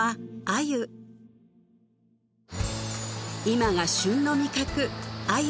今が旬の味覚鮎